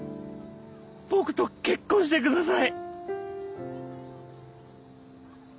僕と結婚してください。